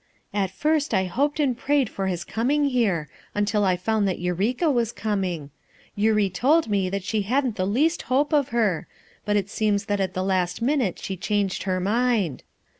"At first I hoped and prayed for his com ing here, until I found that Eureka was coming; Eurie told me that she hadn't the least hope of her, but it seems that at the last minute she changed her mind.